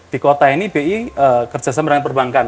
di kota ini bi kerjasama dengan perbankan